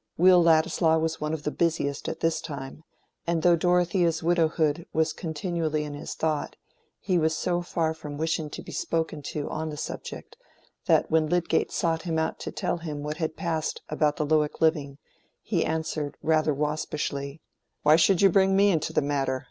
Will Ladislaw was one of the busiest at this time; and though Dorothea's widowhood was continually in his thought, he was so far from wishing to be spoken to on the subject, that when Lydgate sought him out to tell him what had passed about the Lowick living, he answered rather waspishly— "Why should you bring me into the matter?